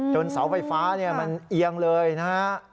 จนเสาไฟฟ้าเนี่ยมันเอียงเลยนะฮะ